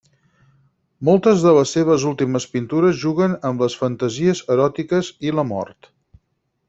Moltes de les seves últimes pintures juguen amb les fantasies eròtiques i la mort.